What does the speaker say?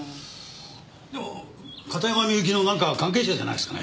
片山みゆきのなんか関係者じゃないですかね？